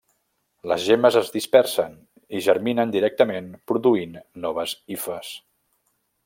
Les gemmes es dispersen, i germinen directament, produint noves hifes.